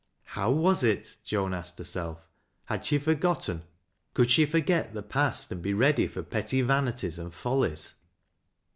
Ho\i was it? Joan asked herself. Had she forgotten — <onld she forget the past and be ready for petty vanities and follies?